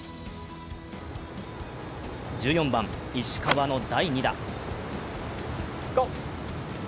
１４番、石川の第２打。